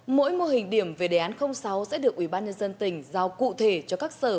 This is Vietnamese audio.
mỗi mô hình điểm về đề án sáu sẽ được ubnd tỉnh giao cụ thể cho các sở